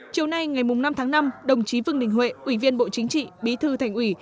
chiều nay ngày năm tháng năm đồng chí vương đình huệ ủy viên bộ chính trị bí thư thành ủy